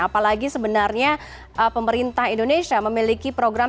apalagi sebenarnya pemerintah indonesia memiliki program